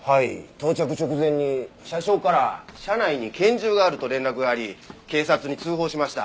到着直前に車掌から車内に拳銃があると連絡があり警察に通報しました。